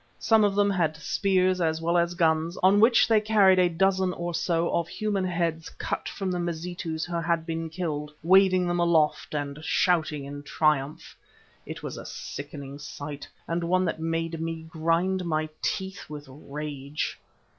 Some of them had spears as well as guns, on which they carried a dozen or so of human heads cut from the Mazitus who had been killed, waving them aloft and shouting in triumph. It was a sickening sight, and one that made me grind my teeth with rage.